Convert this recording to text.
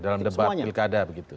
dalam debat pilkada begitu